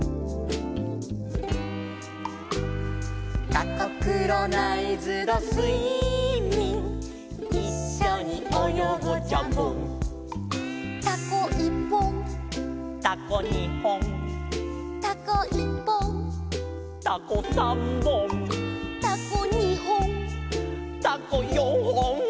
「タコクロナイズドスイミング」「いっしょにおよごジャボン」「タコいっぽん」「タコにほん」「タコいっぽん」「タコさんぼん」「タコにほん」「タコよんほん」